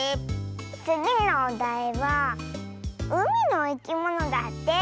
つぎのおだいは「うみのいきもの」だって！